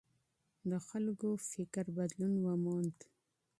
د خلګو فکر بدلون وموند.